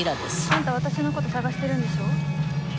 あんた私のこと捜してるんでしょ？